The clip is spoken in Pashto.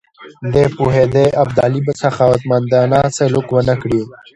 دی پوهېدی ابدالي به سخاوتمندانه سلوک ونه کړي.